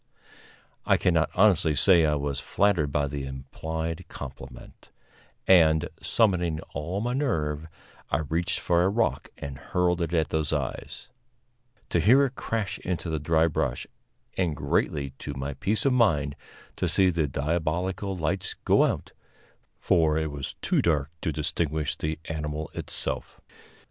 I cannot honestly say I was flattered by the implied compliment, and, summoning all my nerve, I reached for a rock and hurled it at those eyes, to hear it crash into the dry brush, and, greatly to my peace of mind, to see the diabolical lights go out, for it was too dark to distinguish the animal itself.